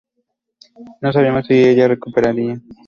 No sabíamos si ella se recuperaría.